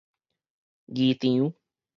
議場